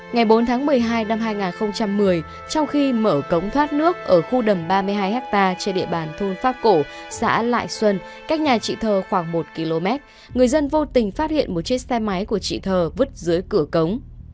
ngày bốn tháng một mươi hai năm hai nghìn một mươi trong khi mở cống thoát nước ở khu đầm ba mươi hai ha trên địa bàn thôn pháp cổ xã lại xuân cách nhà chị thơ khoảng một km người dân vô tình phát hiện một chiếc xe máy của chị thờ vứt dưới cửa cống